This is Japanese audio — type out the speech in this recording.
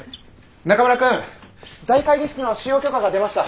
中村くん大会議室の使用許可が出ました。